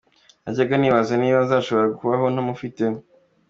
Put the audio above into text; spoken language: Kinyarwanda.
Najyaga nibaza niba nzashobora kubaho ntamufite.